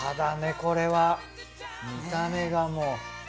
これは見た目がもう。